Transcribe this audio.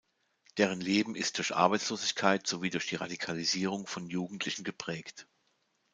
Deren Leben ist durch Arbeitslosigkeit sowie durch die Radikalisierung von Jugendlichen geprägt.